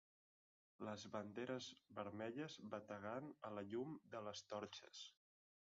Les banderes vermelles bategant a la llum de les torxes